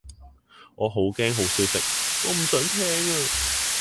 我好驚好消息，我唔想聽啊